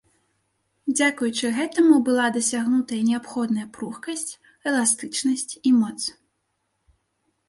Дзякуючы гэтаму была дасягнутая неабходная пругкасць, эластычнасць і моц.